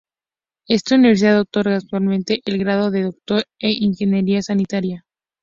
Esta universidad otorga actualmente el grado de Doctor en Ingeniería Sanitaria.